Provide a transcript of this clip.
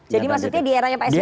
jadi maksudnya di eranya psb ada